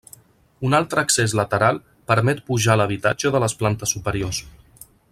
Un altre accés lateral permet pujar a l'habitatge de les plantes superiors.